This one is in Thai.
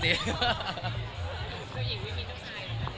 เจ้าหญิงวิ่งมีน้ำชายหรือเปล่า